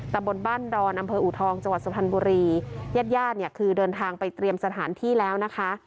บนบ้านดอนอำเภออูทองจังหวัดสุพรรณบุรีญาติญาติเนี่ยคือเดินทางไปเตรียมสถานที่แล้วนะคะ